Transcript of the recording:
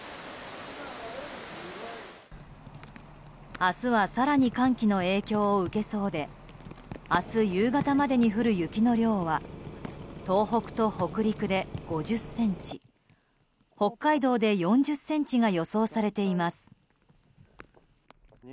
明日は更に寒気の影響を受けそうで明日夕方までに降る雪の量は東北と北陸で５０ｃｍ北海道で４０ｃｍが予想されています。